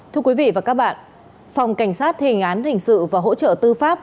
thưa quý vị và các bạn phòng cảnh sát thề ngán hình sự và hỗ trợ tư pháp